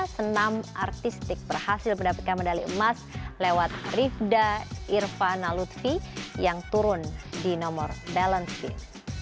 senam artistik berhasil mendapatkan medali emas lewat rivda irvana lutfi yang turun di nomor balance fit